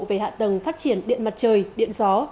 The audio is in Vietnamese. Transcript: về hạ tầng phát triển điện mặt trời điện gió